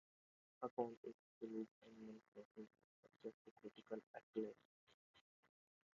Upon its release, "Animal Crossing" was subject to critical acclaim.